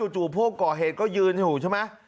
พวกก่อเหตุก็ยืนอยู่ใช่ไหม